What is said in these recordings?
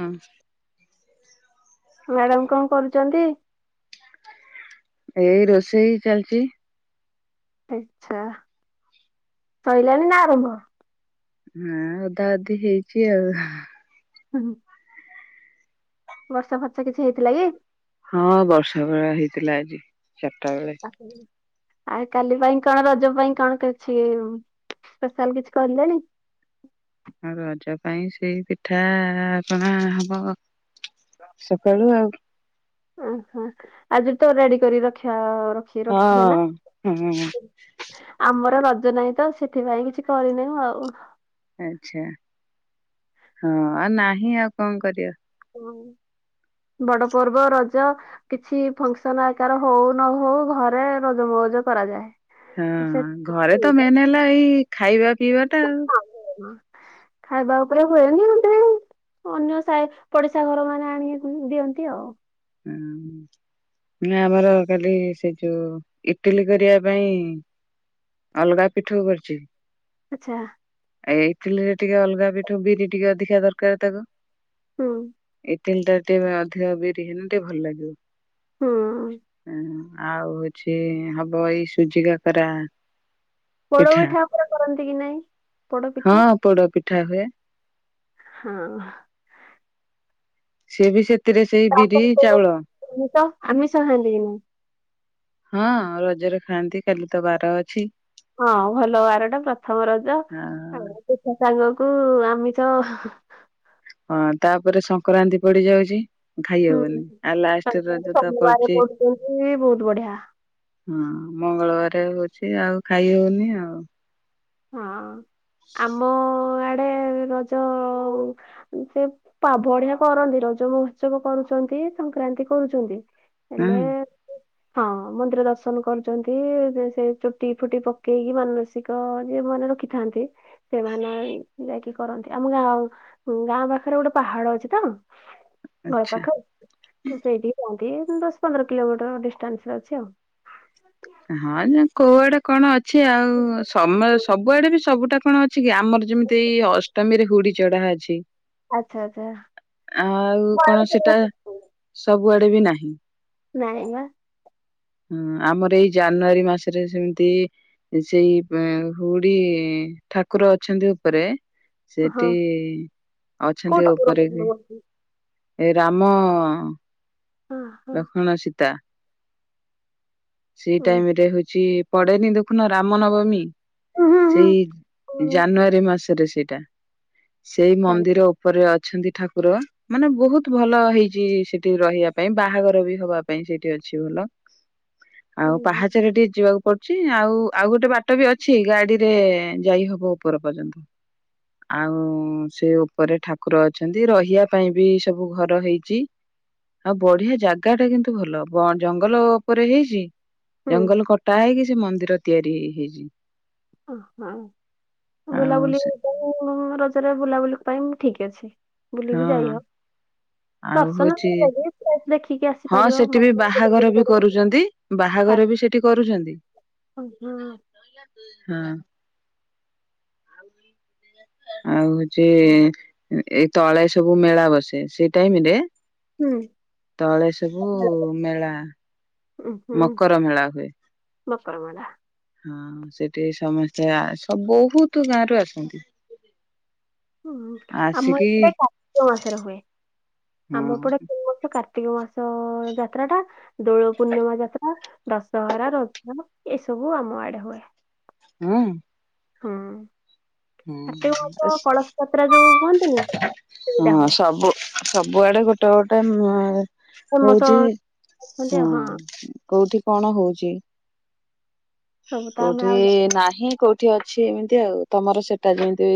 ହଁ। ମ୍ୟାଡାମ କଣ କରୁଛନ୍ତି। ଏଇ ରୋଷେଇ ଚାଲିଛି। ଆଛା ସଇଲାନି ନା ଆରମ୍ଭ। ହଁ ଅଧା ଅଧି ହେଇଛି ଆଉ। ହୁଁ ହୁ। ବର୍ଷା ଫର୍ଷା କିଛି ହେଇଥିଲା କି। ହଁ ବର୍ଷା ବେଳା ହେଇଥିଲା ଆଜି ଚାରିଟା ବେଳେ। ଆଉ କାଲି ପାଇଁ କଣ ରଜ ପାଇଁ କଣ କିଛି। ସ୍ପେଶାଲ କିଛି କଲେଣି। ଆଉ ରଜ ପାଇଁ ସେଇ ପିଠା ପଣା ହବ ସକାଳୁ ଆଉ। ଓହୋ ଆଜି ତ ରେଡି କରି ରଖା ରଖ୍ ହଁ ହୁଁ‌। ଆମର ରଜ ନାହିଁ ତ ସେଥିପାଇଁ କିଛି କରିନୁ ଆଉ ‌। ଆଛା ହଁ ଆଉ ନାହିଁ ଆଉ କଣ କରିବ। ହଉ ବଡ଼ ପର୍ବ ରଜ କିଛି ଫଙ୍କ୍ ସନ୍ ଆଉ କାର ହଉ ନ ହଉ ଘରେ ରଜମଉଜ କରାଯାଏ। ହଁ ତ ସେ ଘରେ ତ ସେଇଟା। ମେନ୍ ହେଲା ଏଇ ଖାଇବା ପିଇବା ଟା ଆଉ। ହଁ ଖାଇବା ଉପରେ ହୁଏନି ଏମ୍ ତି ଅନ୍ୟ ସାଇ ପଡିଶା ଘର ମାନେ ଆଣିକି ଦିଅନ୍ତି ଆଉ। ହୁଁ। ମାନେ ଆମର କାଲି ସେ ଯୋଉ ଇଟିଲି କରିଆ ପାଇଁ ଅଲ୍ ଗା ପିଠଉ କରିଛି। ଆଛା। ଏଇ ଇଟିଲିରେ ଟିକେ ଅଲ୍ ଗା ପିଠୁ ବିରି ଟିକେ ଅଧିକା ଦରକାର୍ ତାକୁ ହୁଁ। ଇଟିଲି ଟା ଟିକେ ଅଧିକ ବିରି ହେନେ ଟିକେ ଭଲ୍ ଲାଗିବ। ହୁଁ ହୁଁ ଆଉ ହଉଛି ହବ ଏଇ ସୁଜି କାକରା ପୋଡ ପିଠା ଆପର କରନ୍ତି କି ନାଇଁ? ହଁ ପୋଡ ପିଠା ହୁଏ। ହଁ। ସେ ବି ସେଥିରେ ସେଇ ବିରି ଚାଉଳ। ମୁଁ ତ ଆମିଷ ଖାଆନ୍ତି କି ନାଇଁ? ହଁ ରଜରେ ଖାଆନ୍ତି କାଲି ତ ବାର ଅଛି। ହଁ ଭଲ ବାର ଟା ପ୍ରଥମ ରଜ ଆ ପିଠା ସାଙ୍ଗ କୁ ଆମିଷ। ହଁ ତାପରେ ସଂକ୍ରାନ୍ତି ପଡିଯାଉଚି। ଖାଇ ହୁଁ। ହବନି ଆଉ ଲାଷ୍ଟେ ରଜ ତ ସୋମବାର ପଡୁଚି କରୁଛନ୍ତି ବହୁତ ବଢିଆ ହଁ ମଙ୍ଗଳବାରେ ହଉଚି ଆଉ ଖାଇ ହଉନି ଆଉ। ହଁ ଆମ ଆଡେ ରଜ ସେ ପା ବଢିଆ କରନ୍ତି ରଜ ମହୋତ୍ସବ କରୁଛନ୍ତି ସଂକ୍ରାନ୍ତି କରୁଚନ୍ତି। ହଁ ହେଲେ [inaudible] ହଁ ମନ୍ଦିର ଦର୍ଶନ କରୁଚନ୍ତି ଯେ ସେ ଚୁଟି ଫୁଟି ପକେଇକି ମାନସିକ ଯେଉଁମାନେ ରଖିଥାନ୍ତି ସେମାନେ ଯାଇକି କରନ୍ତି ଆମ ଗାଁଉ ଗାଁ ପାଖେରେ ଗୋଟେ ପାହାଡ ଅଛି ତ ନଇ ଆଚ୍ଛା। ପାଖ ସେଇଠିକି ଯାଆନ୍ତି ଦଶ ପନ୍ଦର କିଲୋମିଟର ଡିଷ୍ଟାନ୍ସ ରେ ଅଛି ଆଉ। ହଁ ଯେ କୋଉ ଆଡେ କଣ ଅଛି ଆଉ ସମୟ ସବୁଆଡେ ବି ସବୁଟା କଣ ଅଛି କି ଆମର ଯେମିତି ଅଷ୍ଟମୀରେ ହୁଡି ଚଢା ଅଛି ଆଚ୍ଛା ଆଚ୍ଛା। ଆଉ କଣ ସେଟା ସବୁଆଡେ ବି ନାହିଁ। ନାହିଁ ନା? ହୁଁ ଆମର ଏଇ ଜାନୁଆରୀ ମାସେରେ ସେମିତି ସେଇ ହୁଡି ଠାକୁର ଅଛନ୍ତି ଉପରେ ସେଠି ହଁ ଅଛନ୍ତି କୋଉଠି ଉପରେ ବି ହଁ ଏ ରାମ ହଁ। ଲକ୍ଷ୍ମଣ ସୀତା। ସେଇ ଟାଇମ୍ ରେ ହଉଛି ପଡ଼େନି ଦେଖୁନ ରାମ ନବମୀ? ତାହେଲେ ସେଇ ହୁଁ ଜାନୁଆରୀ ମାସରେ ସେଇଟା। ସେଇ ଚାଲେ ମନ୍ଦିର ଉପରେ ଅଛନ୍ତି ଠାକୁର। ମାନେ ବହୁତ ଭଲ ହେଇଛି ସେଠି ରହିବା ପାଇଁ ବାହାଘର ବି ହବା ପାଇଁ ସେଠି ଅଛି ଭଲ। ହୁଁ ଆଉ ପାହାଚରେ ଟିକେ ଯିବାକୁ ପଡ଼ୁଛି ଆଉ ଆଉ ଗୋଟେ ବାଟ ବି ଅଛି ଗାଡ଼ି ରେ ଯାଇ ହବ ଉପର ପର୍ଯ୍ୟନ୍ତ। [inaudible] ଆଉ ସେ ଉପରେ ଠାକୁର ଅଛନ୍ତି ରହିବା ପାଇଁ ବି ସବୁ ଘର ହେଇଚି। ଆଉ ବଢ଼ିଆ ଜାଗା ଟା କିନ୍ତୁ ଭଲ ବ ଜଙ୍ଗଲ ଉପରେ ହେଇଚି। ହୁଁ ଜଙ୍ଗଲ କଟା ହେଇକି ସେ ମନ୍ଦିର ତିଆରି ହେଇ ହେଇଚି। ଓ ହଁ ଆଉ ବୁଲାବୁଲି ସେ- [unintelligible] ରଜରେ ବୁଲାବୁଲି ପାଇଁ ଠିକ୍ ଅଛି ହଁ। ବୁଲିିବି ଯାଇ ହ ଆଉ ଦର୍ଶନ ହଉଛି [unintelligible] ଦେଖିକି ହଁ ଆସିପାରିବ ସେଠି ବି ମନ୍ଦିର ବୁଲା ବାହାଘର ବୁଲି ବି କରିକି। କରୁଛନ୍ତି ବାହାଘର ବି ସେଠି କରୁଚନ୍ତି। ଓ ହଁ। ହଁ। ଆଉ ହଉଚି ଏଇ ତଳେ ସବୁ ମେଳା ବସେ ସେଇ ଟାଇମ୍ ରେ ତଳେ ସବୁ ମେଳା ଉଁ ହୁଁ ମକର ମେଳା ହୁଏ। ମକର ମେଳା। ହଁ ସେଠି ସମସ୍ତେ ଆ ସ ବହୁତ ଗାଁରୁ ଆସନ୍ତି। ହୁଁ ଆମ ଆସିକି ଏପଟେ କାର୍ତ୍ତିକ ମାସରେ ହୁଏ ହଁ ଆମ ଏପଟେ ସବୁ ମାସ କାର୍ତ୍ତ କାର୍ତ୍ତିକ ମାସ ଯାତ୍ରା ଟା ଦୋଳ ପୂର୍ଣ୍ଣିମା ଯାତ୍ରା ଦଶହରା ରଜ ଏସବୁ ଆମ ଆଡ଼େ ହୁଏ। ହଁ। ହଁ ହଁ କାର୍ତ୍ତିକ ମାସ କଳସ ଯାତ୍ର ଯୋଉ କୁହନ୍ତିନି ସେଇଟା ହଁ ହୁଏ। ସବୁ ଆଡ଼େ ଗୋଟେ ଗୋଟେ ଉଁ ଫେମସ ହଉଚି ଅଛନ୍ତି ହୁଁ ଆଉ ହଁ କୋଉଠି କଣ ହଉଚି? ସବୁ ତ ଆମେ କୋଉଠି ଆଉ ଜା- ନାହିଁ କୋଉ ଠି ଅଛି ଏମିତି ଆଉ ତମର ସେଟା ଯେମିତି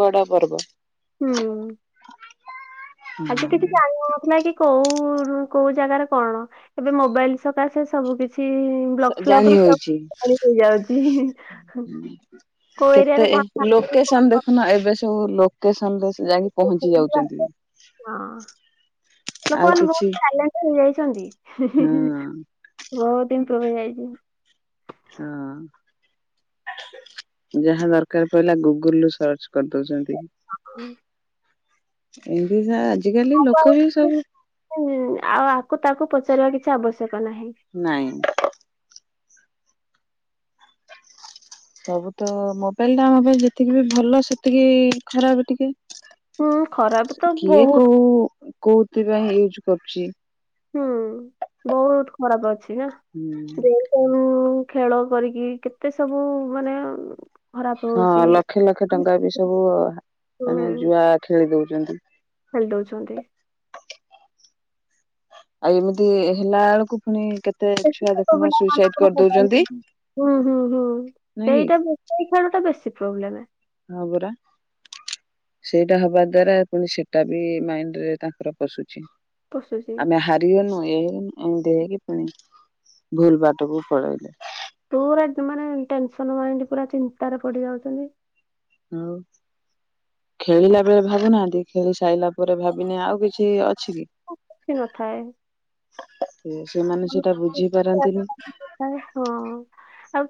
ବଡ଼ ପର୍ବ। ହୁଁ। ହଁ ଆଗେ କିଛି ଜାଣିନଥିଲା କି କୋଉ କୋଉ ଜାଗାରେ କଣ ଏବେ ମୋବାଇଲ ସକାସେ ସବୁ କି ଛି ଲକ୍ଷ୍ୟ ଜାଣି ଆଗୁରୁ ସବୁ ହଉଛି କିଛି ଜାଣି ହେଇଯାଉଛି। କୋଉ କେତେ ଏରିଆରେ କଣ ଖାଆନ୍ତି, କୋଉ ଲୋକେସନ୍ ଦେ ଖୁନା ଏବେ ସବୁ ଲୋକେସନ ରେ ସେ ଯାଇକି ପହଞ୍ଚି ପରିବା। ଯାଉଛନ୍ତି। ହଁ ଆଉ ଲୋକମାନେ ବହୁତ କିଛି ଟ୍ୟାଲେଣ୍ଟେଡ ହେଇଯାଇଛନ୍ତି ହଁ [unintelligible] ବହୁତ ଇପ୍ରୁଭ୍ ହେଇଯାଇଛି। ହଁ। ଯାହା ଦରକାର ପଇଲା ଗୁଗୁଲ ରୁ ସର୍ଚ୍ଚ କରିଦଉଛନ୍ତି ହଁ। ଏମତି ତ ଆଜିକାଲି ଲୋକ ହିଁ ସବୁ ହୁଁ ଆଉ ଆକୁ ତାକୁ ପଚାରିବା କିଛି ଆବଶ୍ୟକ ନାହିଁ। ନାଇଁ। ସବୁ ତ ମୋବାଇଲ ଟା ଆମ ପାଇଁ ଯେତିକି ବି ଭଲ ସେତିକି ଖରାପ ଟିକେ। ହୁଁ ଖରାପ ତ କିଏ ବହୁତ କୋଉ କୋହୁଥି ପାଇଁ ୟୁଜ୍ କରୁଚି। ହୁଁ ବହୁତ ଖରାପ ଅଛି ନା ବହୁତ୍। [unintelligible] ଖେଳ କରିକି କେତେ ସବୁ ମାନେ ଖରାପ ହଁ ହଉଛି ଲକ୍ଷେ ଲକ୍ଷେ ଟଙ୍କା ବି ସବୁ ମାନେ ହୁଁ, ଜୁଆ ଖେଳି ଦଉଛନ୍ତି। ଖେଳି ଦଉଛନ୍ତି। ଆଉ ଏମିତି ହେଲା ବେଳକୁ ପୁଣି କେ [unintelligible] ହୁଁ ହୁଁ ହୁଁ ନାଇଁ ସେଇଟା କି ତ ସେଇ ଖେଳ ଟା ବେଶୀ ପ୍ରୋବ୍ଲେମ୍। ହଁବରା। ସେଇଟା ହବା ଦ୍ଵାରା ପୁଣି ସେଟା ବି ମାଇଣ୍ଡ ରେ ତାଙ୍କର ପଶୁଛି। ପଶୁଛି ଆମ ହାଵ୍ [unintelligible] ଏମିତି ହେଇକି ପୁଣି ଭୁଲ ବାଟକୁ ପଳେଇଲେ। ପୁରା ତ ମାନେ ଟେନସନ୍ ମାଇଣ୍ଡ ପୁରା ଚିନ୍ତାରେ ପଡ଼ି ଯାଉଛନ୍ତି। [unintelligible] ଖେଳିଲା ବେଳେ ଭାବୁନାହାନ୍ତି ଖେଳି ସାରିଲା ପରେ ଭାବିନେ ଆଉ କିଛି ଅଛି କି? କିଛି ନଥାଏ। ହୁଁ ସେମାନେ ସେଟା ବୁଝି ପାରନ୍ତିନି। ଆରେ ହଁ ଆଉ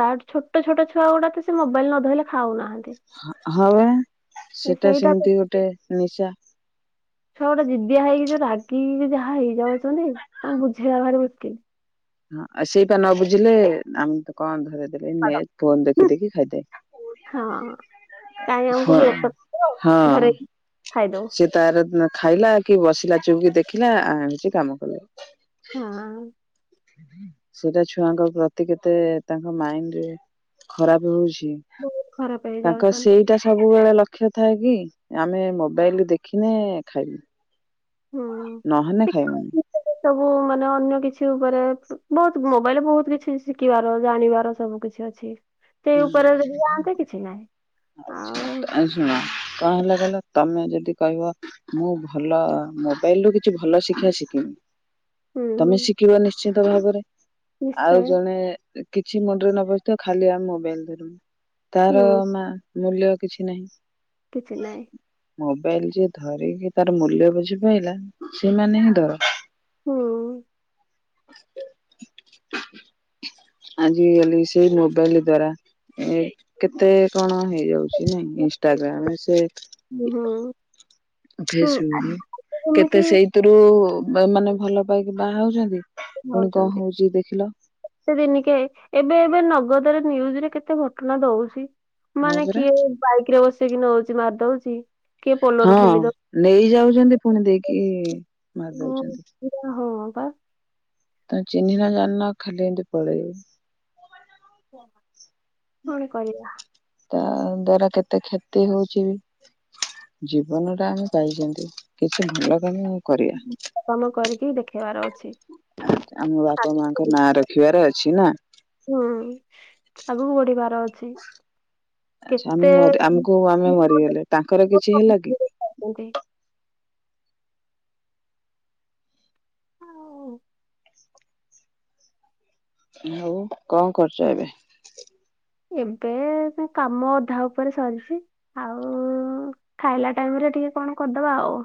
ତାଠୁ ଛୋଟ ଛୋଟ ଛୁଆ ଗୁଡ଼ା ତ ସେ ମୋବାଇଲ ନ ଧଇଲେ ଖାଉନାହାନ୍ତି। ହଁ ହ ବା ସେଟା ସେଇଟା ସେମିତି ତ ଗୋଟେ ନିଶା। ଛୁଆ ଗୋଟେ ଜିଦିଆ ହେଇକି ଯୋଉ ରାଗିକି ଯାହା ହେଇଯାଉଛନ୍ତି ତମେ ବୁଝେଇିବା ଭାରି ମୁସ୍କିଲ୍। ହଁ ଆଉ ସେଇପା ନ ବୁଝିଲେ ଆମେ ତ କଣ ଧରେଇଦେଲେ ନେ ଫୋନ୍ ଦେଖି ଦେଖି ଖାଇଦେ। ହଁ କାହିଁ ଆମକୁ ହଁ ବିରକ୍ତ କରିବ ଧରେଇକି ହଁ ଖାଇଦଉ ସେ ତାର ଖାଇଲା କି ବସିଲା ଚୁପ୍ କି ଦେଖିଲା ଆମେ ହେଉଛି କାମ କଲେ। [unintelligible] ସେଇଟା ଛୁଆଙ୍କ ପ୍ରତି କେତେ ତାଙ୍କ ମାଇଣ୍ଡ ରେ ଖରାପ ହଉଛି। ବହୁତ ଖରାପ ତାଙ୍କ ହେଇଯାଉଛନ୍ତି ସେ ଟା ସବୁବେଳେ ଲକ୍ଷ୍ୟ ଥାଏ କି ଆମେ ମୋବାଇଲ ଦେଖିନେ ଖାଇବୁ। ହୁଁ। ନହନେ ଖାଇବୁନୁ। ସବୁ ମାନେ ଅନ୍ୟ କିଛି ଉପରେ ବହୁତ ମୋବାଇଲରେ ବହୁତ କିଛି ଶିଖିବାର ଜାଣିବାର ସବୁ କିଛି ଅ ଛି ସେଇ ହୁଁ ଉପରେ ଯଦି ଯାଆନ୍ତେ କିଛି ନାହିଁ ଆଉ ଆଉ ଶୁଣ କଣ ହେଲା କହିଲ ତମେ ଯଦି କହିବ ମୁଁ ଭଲ ମୋବାଇଲ ରୁ କିଛି ଭଲ ଶି୍ଷିବା ଶିକିମି। ତମେ ହୁଁ ଶିଖିବ ନିଶ୍ଚିିତ ଭାବରେ ଆଉ ନିଶ୍ଚୟ। ଜଣେ କିଛି ମୁଣ୍ଡରେ ନ ପଶୁଥିବ ଖାଲି ଆମେ ମୋବାଇଲ ଧରୀମୁ ତାର ହୁଁ ମୂଲ୍ୟ କିଛି ନାହିଁ। କିଛି ନାହିଁ। ମୋବାଇଲ ଯିଏ ଧରିକି ତାର ମୂଲ୍ୟ ବୁଝିପାଇଲା ସେମାନେ ହିଁ ଧର। ହୁଁ। ଆଜିକାଲି ସେଇ ମୋବାଇଲ ଦ୍ଵାରା ଏ କେତେ କଣ ହେଇଯାଉଛି ନାଇଁ ଇନଷ୍ଟାଗ୍ରାମେ ସେ [unintelligible] [unintelligible] ହୁଁ ଆଜି କେତେ କେମିତି ସେଇଥିରୁ ବ ମାନେ ଭଲ ପାଇକି ବାହା ହଉଛନ୍ତି। ପୁଣି କଣ ହଉଚନ୍ତି। ହଉଛି ଦେଖିଲ ଏତେ ଦିନିକେ ଏବେ ଏବେ ନଗଦରେ ନ୍ୟୁଜରେ କେତେ ଘଟଣା ଦଉଛି। ହଁ ମାନେ ପରା କିଏ ବାଇକ୍ ରେ ବସେଇକି ନ ହଉଛି ମାରିଦଉଛି। ହଁ ନେଇ ଯାଉଛନ୍ତି ପୁଣି ଦେଇକି ମାରିଦଉଛନ୍ତି। ଆଜ୍ଞା ହଁ ପା। ଆ ଚିହ୍ନି ନା ଜାଣିନା ଖାଲି ଏମିତି ପଳେଇବି। ପୁଣି କରିବା। ତା ଦ୍ଵାରା କେତେ କ୍ଷତି ହୋଉଚି। ଜୀବନ ଟା ଆମେ ପାଇଛନ୍ତି କିଛି ଭଲ କାମ କରିବା କାମ କରିକି ଦେଖେଇବାର ଅଛି। ଆ ଆମ ବାପା ମାଙ୍କ ଆଗକୁ ନାଁ ରଖିବାର ଅଛି ନା। ହୁଁ ଆଗକୁ ବଢିବାର ଅଛି। ଆଛା ଆମେ କେତେ ଆମକୁ ଆମେ ମରିଗଲେ ତାଙ୍କର କିଛି ହେଲା କି? ଏମିତି ଆଉ ଆଉ କଣ କରୁଚ ଏବେ? ଏବେ ସବୁ କାମ ଅଧା ଉପରେ ସରିଚି। ଆଉ ଖାଇଲା ଟାଇମ ରେ ଟିକେ କଣ କରିଦବା ଆଉ।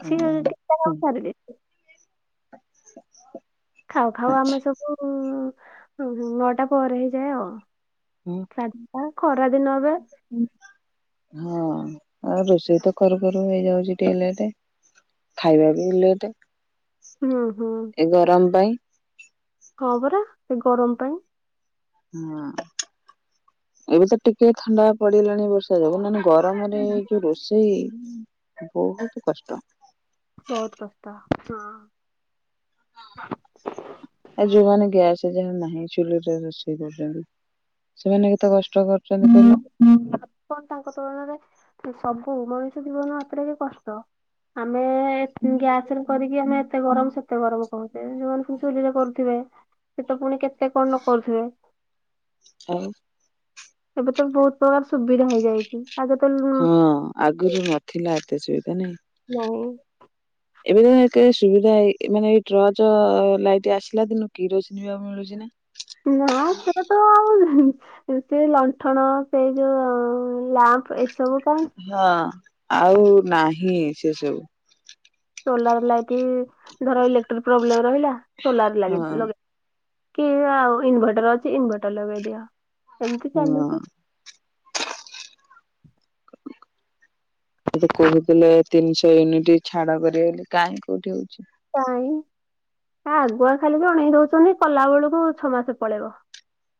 ହୁଁ ଏଇ କେତେ ଙ୍କ କରିବେ। ଆଛା। ଖାଉ ଖାଉ ଆମେ ସବୁ ନଅଟା ପରେ ହେଇଯାଏ ଆଉ। ହୁଁ। ଖରାଦିନ ଏବେ। ହଁ ଆଉ ରୋଷେଇ ତ କରୁ କରୁ ହେଇଯାଉଚି ଟିକେ ଲେଟେ। ଖାଇବା ବିଲେଟେ। ହୁଁ ହଁ। ଏ ଗରମ ପାଇଁ। ହଁ ପରା ସେ ଗରମ ପାଇଁ। ହଁ ଏବେ ତ ଟିକେ ଥଣ୍ଡା ପଡିଗଲାଣି ଏ ବର୍ଷ। ସେଇଯୋଗୁ ନହେନେ ଗରମରେ ଯୋଉ ରୋଷେଇ ବୋହୁତ କଷ୍ଟ। ବୋହୁତ କଷ୍ଟ ହଁ। ଆ ଯୋଉମାନେ ଗ୍ୟାସ ଯାହାର ନାହିଁ ଚୁଲିରେ ରୋଷେଇ କରୁଛନ୍ତି ସେମାନେ କେତେ କଷ୍ଟକ ହୁଁ। କଣ ତାଙ୍କ ତୁଳନାରେ ସବୁ ମଣିଷ ଜୀବନ ମାତ୍ରା କେ କଷ୍ଟ। ଆମେ ଗ୍ୟାସରେ କରିକି ଆମେ ଏତେ ଗରମ ସେତେ ଗରମ। କଣ କେଇଆଣି ସେମାନେ ପୁଣି ଯୋଉମାନେ ଚୁଲିରେ କରୁଥିବେ ସେ ତ ପୁଣି କେତେ କଣ ନ କରୁଥିବେ। ଆଉ। ଏବେ ତ ବୋହୁତ ପ୍ରକାର ସୁବିଧା ହେଇଯାଇଛି। ଆଗେ ତ ଲୁ ହଁ ଆଗରୁ ନଥିଲା ଏତେ ସୁବିଧା ନାହିଁ। ନାଇଁ। ଏବେ ତ ସୁବିଧାଇ ମାନେ ଏଇ ଟ୍ରଚ୍ ଲାଇଟ ଆସିଲା ଦିନୁ କିରୋଷିନି ଝିଅ ମିଳୁଛି ନା? ନା ସେଟାତ ଆଉ ସେ ଲଣ୍ଠଣ ସେଇ ଯୋଉ ଲ୍ୟାମ୍ପ ଏସବୁ ପାଇଁ ହଁ ଆଉ ନାହିଁ ସେ ସବୁ। ସୋଲାର ଲାଇଟି ଧର ଇଲେକ୍ଟ୍ରିକ ପ୍ରୋବ୍ଲେମ ରହିଲା ସୋଲାର ଲାଗି ହଁ। ଲାଗଗେଇ କି ଆଉ ଇନିଭେଟର ଅଛି ଇନଭର୍ଟର ଲଗେଇଦିଅ ଏମିତି ହଁ ଚାଲିଛି। ସେ ଯୋଉ କୋହୁଥିଲେ ତିନିଶହ ୟୁନିଟୀ ଛାଡ କରିବେ ବୋଲି କାହିଁ କୋଉଠି ହୋଉଚି। କାଇଁ ଆଗୁଆ ଖାଲି ଭଅଣେଇ ଦୋଉଛନ୍ତି କଲା ବେଳକୁ ଛଅ ମାସେ ପଳେଇବ।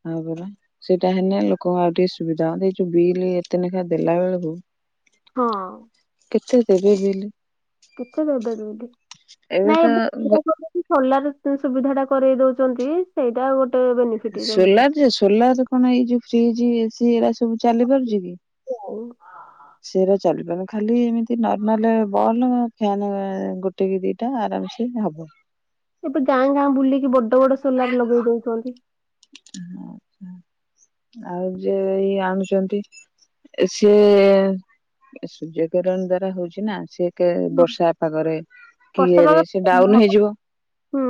ତାପରେ ସେଇଟା ହେନେ ଲୋକଙ୍କୁ ଆଉ ଟିକେ ସୁବିଧା ହ ଏଇ ଯୋଉ ବିରି ଏତେ ନେଖା ଦେଲା ବେଳୁକୁ ହଁ। କେତେ ଦେବେ ବେଲି [inaudible] କେତେ ଦେବେ ଦି ଏବେ ତ ନାଇଁ ଗ ଏ ବେ ସୋଲାର ସୁବିଧା ଟା କରେଇ ଦଉଚନ୍ତି ସେଇଟା ଗୋଟେ ବେନି ସୋଲାର ଯେ ସୋଲାର କଣ ଏଇ ଯୋଉ ଫ୍ରିଜ୍ ଏସି ଏଗୁଡା ସବୁ ଚାଲି ପାରୁଚି କି? [inaudible] ଆଉ ସେରା ଚାଲିପାବନି ଖାଲି ଏମିତି ନର୍ମାଲ ବଲ ଫ୍ୟାନ୍ ଗୋ ଗୋଟେ କି ଦିଟା ଆରାମ୍ ସେ ହବ। ଏବେ ଗାଁ ଗାଁ ବୁଲିକି ବଡ ବଡ ସୋଲାର୍ ଲଗେଇ ଦଉଚନ୍ତି। ହଁ ଆଉ ଯେ ଇଏ ଆଣୁଚନ୍ତି ସେ ସୂର୍ଯ୍ୟ କିିରଣ ଦ୍ଵାରା ହଉଛି ନା ସିଏ କେ ବର୍ଷା ପାଗରେ ପର୍ସନାଲ କିଏରେ ସେ ଡାଉନ୍ ହେଇଯିବ। ହୁଁ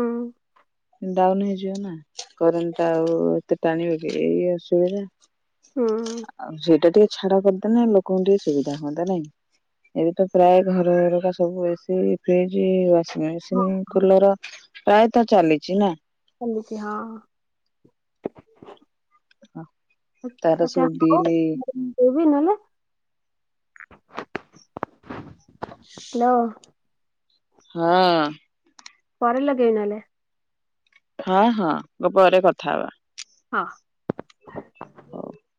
ଡାଉନ୍ ହେଇଯିବ ନା କରେଣ୍ଟ୍ ଟା ଆଉ ଏତେ ଟାଣିବ କି ଏଇ ଅସୁବିଧା। ହୁଁ ଆଉ ସେଇଟା ଟିକେ ଛାଡ କରିଦେନେ ଲୋକଙ୍କୁ ଟିକେ ସୁବିଧା ହୁଅନ୍ତା ନାଇଁ। ଏବେ ତ ପ୍ରାୟ ଘର ଘରକା ସବୁ ଏସି ଫ୍ରିଜ୍ ୱ୍ୟା ହଁ ମେସିନ୍ କୁଲର ପ୍ରାୟତଃ ଚାଲିଛି ନା? ଚାଲିଛି ହଁ। ତାର ଆଛା ସବୁ ହଉ। ବିଲ୍ [inaudible] ତୁ ବି ନୁହେଁ ହଁ। ପରେ ଲଗେଇବି ନହେଲେ। ହଁ ହଁ ମୁ ପରେ କଥା ହଵା। ହଁ। ହଉ।